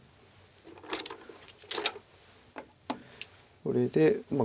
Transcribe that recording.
これでまあ。